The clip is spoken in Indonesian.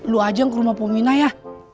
lo aja yang ke rumah pominah ya